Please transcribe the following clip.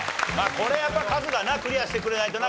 これやっぱカズがなクリアしてくれないとな